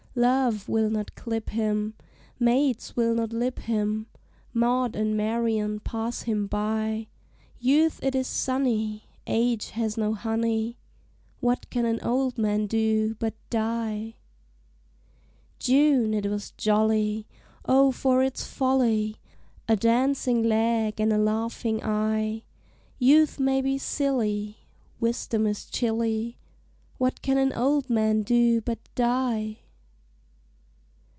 Love will not clip him, Maids will not lip him, Maud and Marian pass him by; Youth it is sunny, Age has no honey, What can an old man do but die? June it was jolly, O for its folly! A dancing leg and a laughing eye! Youth may be silly, Wisdom is chilly, What can an old man do but die?